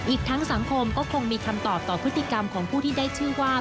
อีกทั้งสังคมก็คงมีคำตอบต่อพฤติกรรมของผู้ที่ได้ชื่อว่า